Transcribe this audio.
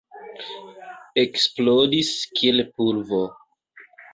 Eksplodis kiel pulvo.